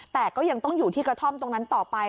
แต่ก็ยังต้องอยู่ที่กระท่อมตรงนั้นต่อไป